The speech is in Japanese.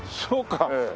そうか。